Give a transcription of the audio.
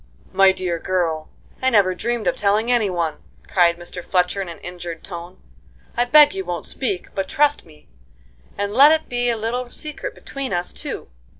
"My dear girl, I never dreamed of telling any one!" cried Mr. Fletcher in an injured tone. "I beg you won't speak, but trust me, and let it be a little secret between us two.